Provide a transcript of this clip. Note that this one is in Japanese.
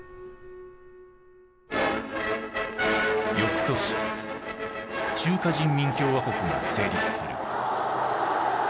よくとし中華人民共和国が成立する。